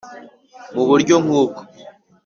Mu buryo nk ubwo